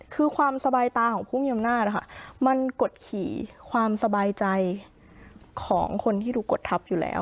คือความสบายตาของผู้มีอำนาจมันกดขี่ความสบายใจของคนที่ดูกฎทัพอยู่แล้ว